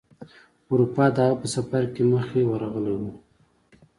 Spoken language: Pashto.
اروپا ته د هغه په سفر کې مخې ورغلی و.